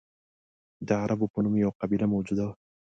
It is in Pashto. د عربو په نوم یوه قبیله موجوده وه.